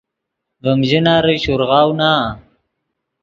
ڤیم ژناری شورغاؤو نا